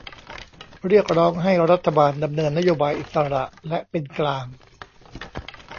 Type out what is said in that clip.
เรียกร้องให้รัฐบาลดำเนินนโยบายอิสระและเป็นกลาง